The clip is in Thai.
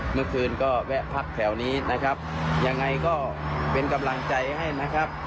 เมื่อคืนก็แวะพักแถวนี้นะครับยังไงก็เป็นกำลังใจให้นะครับ